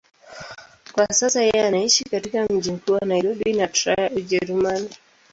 Kwa sasa yeye anaishi katika mji mkuu wa Nairobi na Trier, Ujerumani.